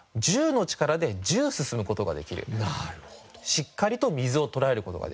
しっかりと水を捉える事ができる。